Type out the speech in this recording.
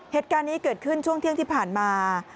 เหตุการณ์นี้เกิดขึ้นช่วงเที่ยงที่ผ่านมา